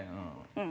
うん。